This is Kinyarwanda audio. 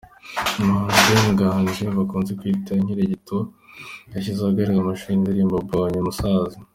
Umuhanzi Ben Nganji bakunze kwita Inkirigito, yashyize ahagaragra amashusho y’indirimbo Mbonye Umusaza.